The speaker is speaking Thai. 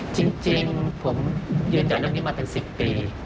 จริงผมเยือนจากเรื่องนี้มาตั้ง๑๐ปี